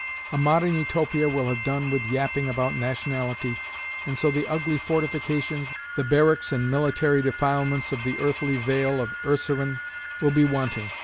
A Modern Utopia will have done with yapping about nationality, and so the ugly fortifications, the barracks and military defilements of the earthly vale of Urseren will be wanting.